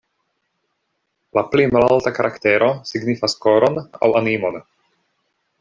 La pli malalta karaktero signifas "koron" aŭ "animon".